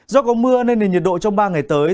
do có mưa nên nền nhiệt độ trong ba ngày tới